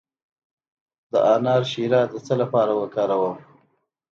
د انار شیره د څه لپاره وکاروم؟